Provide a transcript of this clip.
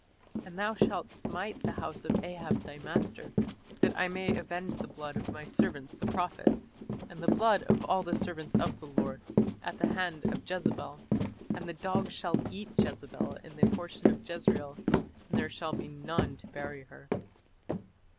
And thou shalt smite the house of Ahab thy master, that I may avenge the blood of my servants the prophets, and the blood of all the servants of the Lord, at the hand of Jezebel.... And the dogs shall eat Jezebel in the portion of Jezreel, and there shall be none to bury her."